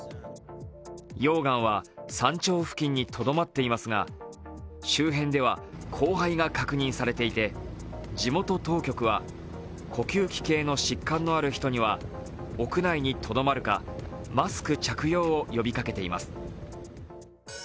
溶岩は山頂付近にとどまっていますが、周辺では降灰が確認されていて地元当局は呼吸器系の疾患のある人には屋内にとどまるか、マスク着用を呼びかけています。